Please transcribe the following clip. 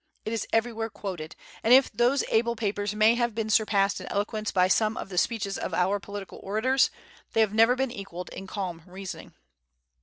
It is everywhere quoted; and if those able papers may have been surpassed in eloquence by some of the speeches of our political orators, they have never been equalled in calm reasoning.